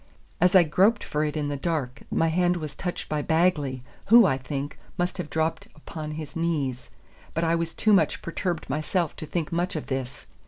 As I groped for it in the dark my hand was clutched by Bagley, who, I think, must have dropped upon his knees; but I was too much perturbed myself to think much of this.